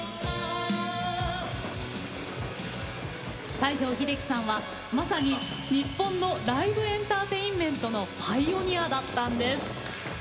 西城秀樹さんは、まさに日本のライブエンターテインメントのパイオニアだったんです。